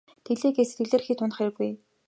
Тэглээ гээд сэтгэлээр хэт унах хэрэггүй.